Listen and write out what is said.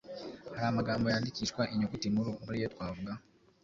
Hari amagambo yandikishwa inyuguti nkuru. Muri yo twavuga